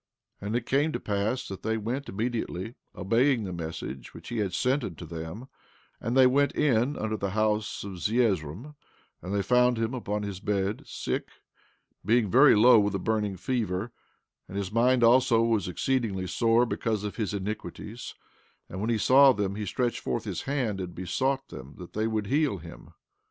15:5 And it came to pass that they went immediately, obeying the message which he had sent unto them; and they went in unto the house unto Zeezrom; and they found him upon his bed, sick, being very low with a burning fever; and his mind also was exceedingly sore because of his iniquities; and when he saw them he stretched forth his hand, and besought them that they would heal him.